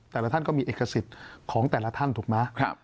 แต่ละท่านก็มีเอกสิทธิ์ของแต่ละท่านถูกไหม